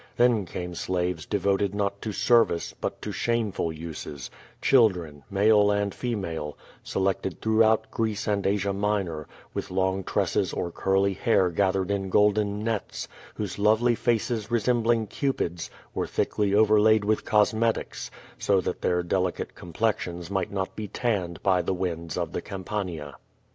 Then cattie slaves devoted not to service, but to shameful uses, children, male and female, selected throughout Greece and Asia Minor, with long tresses or curly hair gathered m golden nets, whose lovely faces resembling Cupids, were thickly overlaid with cosmetics, so that their delicate complexions might not be tanned by the winds of the Campania.